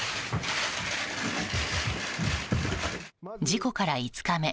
事故から５日目